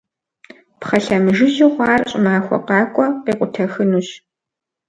Пхъэ лъэмыжыжьу хъуар, щӏымахуэ къакӏуэ къекъутэхынущ.